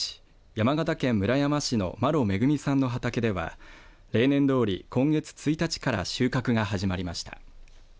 山形県村山市の麿恵美さんの畑では例年どおり今月１日から収穫が始まりました。